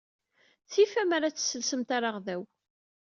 Tif amer ad telsemt araɣdaw.